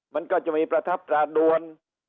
มันก็จะมีประทับตราดวน